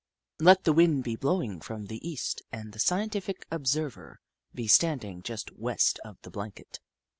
Let the wind be blow ing from the east and the scientific observer be standing just west of the blanket.